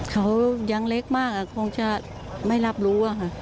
เขายังเล็กมากคงจะไม่รับรู้ค่ะ